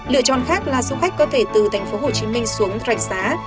lựa chọn khác là du khách có thể từ tp hcm xuống rạch xá